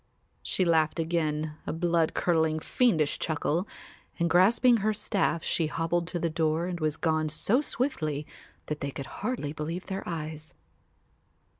She laughed again, a blood curdling fiendish chuckle, and grasping her staff she hobbled to the door and was gone so swiftly that they could hardly believe their eyes.